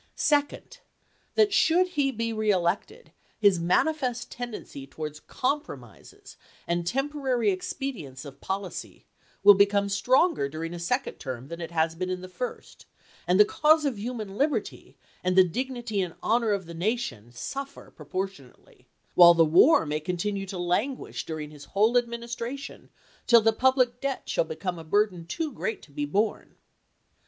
Second, that should he be reelected, his manifest ten dency towards compromises and temporary expedients of policy will become stronger during a second term than it has been in the first, and the cause of human liberty, and the dignity and honor of the nation, suffer proportion ately, while the war may continue to languish during his whole Administration, till the public debt shall become a burden too great to be borne.